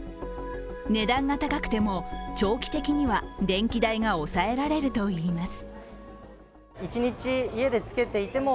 値段が高くても長期的には電気代が抑えられるといいます。